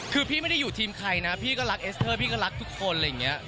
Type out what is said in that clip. คือพี่ไม่ได้อยู่ทีมใครนะพี่ก็รักเอสเตอร์พี่ก็รักทุกคนอะไรอย่างนี้